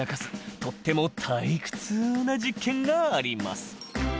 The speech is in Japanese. とっても退屈な実験があります。